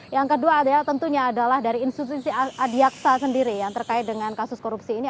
yang kedua adalah tentunya adalah dari institusi adiaksa sendiri yang terkait dengan kasus korupsi ini